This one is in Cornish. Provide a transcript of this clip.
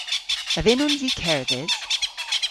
A vynnons i kerdhes?